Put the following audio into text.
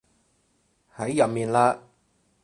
喺入面嘞